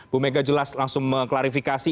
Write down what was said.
bu mega jelas langsung mengklarifikasi